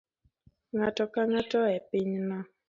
Ng'ato ka ng'ato e pinyno